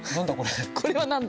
これは何だ？